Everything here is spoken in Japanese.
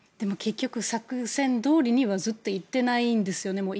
結局作戦どおりにはずっといっていないんですね。